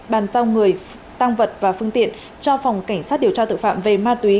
bàn sao người tăng vật và phương tiện cho phòng cảnh sát điều tra tự phạm về ma túy